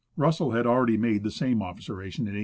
Russell had already made the same observation in 1891.